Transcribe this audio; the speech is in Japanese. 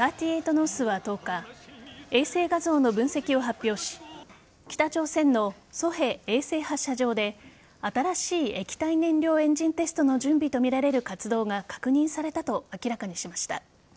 ノースは１０日衛星画像の分析を発表し北朝鮮のソヘ衛星発射場で新しい液体燃料エンジンテストの準備とみられる活動が確認されたと明らかにしました。